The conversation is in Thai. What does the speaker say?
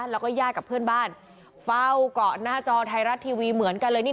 แล้วก็ญาติกับเพื่อนบ้านเฝ้าเกาะหน้าจอไทยรัฐทีวีเหมือนกันเลยนี่